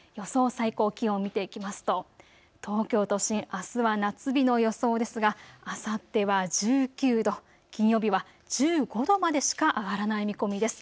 最高気温を見ていきますと東京都心、あすは夏日の予想ですが、あさっては１９度、金曜日は１５度までしか上がらない見込みです。